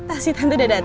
ah itu tante udah dateng